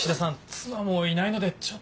妻もいないのでちょっと。